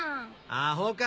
アホか！